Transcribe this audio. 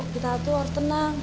kita tuh harus tenang